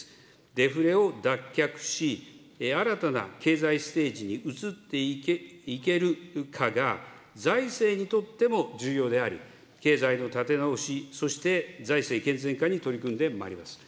デフレを脱却し、新たな経済ステージに移っていけるかが、財政にとっても重要であり、経済の立て直し、そして財政健全化に取り組んでまいります。